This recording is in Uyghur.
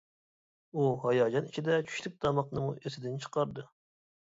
ئۇ ھاياجان ئىچىدە چۈشلۈك تاماقنىمۇ ئېسىدىن چىقاردى.